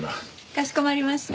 かしこまりました。